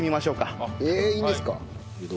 えっいいんですか？